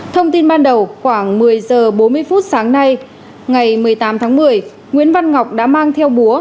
thông tin ban đầu khoảng một mươi h bốn mươi phút sáng nay ngày một mươi tám tháng một mươi nguyễn văn ngọc đã mang theo búa